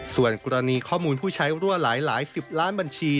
ส่วนกรณีข้อมูลผู้ใช้รั่วหลายสิบล้านบัญชี